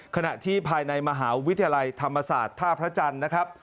ขณะที่ภายในมหาวิทยาลัยธรรมศาสตร์ท่าพระจันทร์นะครับ